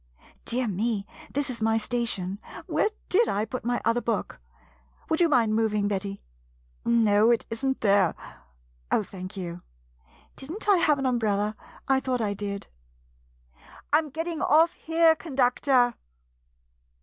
Dear me! this is my station! Where did I put my other book? Would you mind moving, Betty? No — it is n't there. Oh, thank you. Did n't I have an umbrella ? I thought I did. [Calls.] I'm getting off here, con ductor.